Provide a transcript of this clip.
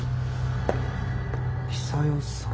久代さん。